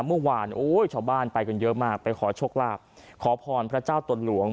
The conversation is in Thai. เมื่อวานโอ้ยชาวบ้านไปกันเยอะมากไปขอโชคลาภขอพรพระเจ้าตนหลวง